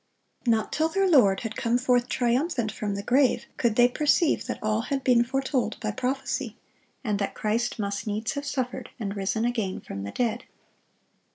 Not till their Lord had come forth triumphant from the grave could they perceive that all had been foretold by prophecy, and "that Christ must needs have suffered, and risen again from the dead."